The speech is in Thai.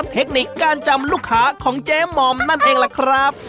เทคนิคการจำลูกค้าของเจ๊หม่อมนั่นเองล่ะครับ